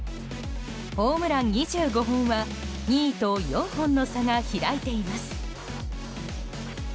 ホームラン２５本は２位と４本の差が開いています。